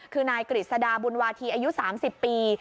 คือนายกฤษฎาบุญวาธีอายุ๓๐ปี